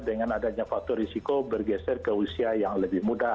dengan adanya faktor risiko bergeser ke usia yang lebih muda